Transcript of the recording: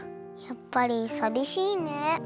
やっぱりさびしいね。